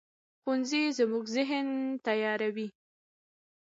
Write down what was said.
ښوونځی زموږ ذهن تیاروي